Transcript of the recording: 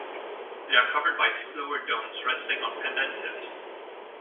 They are covered by two lower domes resting on pendentives.